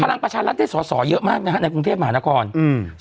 พลังประชารัฐได้สอสอเยอะมากนะฮะในกรุงเทพมหานครอืม